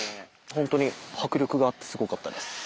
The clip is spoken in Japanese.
本当に迫力があってすごかったです。